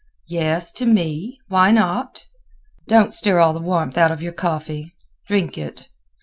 "Yes, to me. Why not? Don't stir all the warmth out of your coffee; drink it.